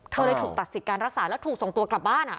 เธอเลยถูกตัดสิทธิ์การรักษาแล้วถูกส่งตัวกลับบ้าน